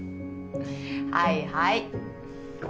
はいはい。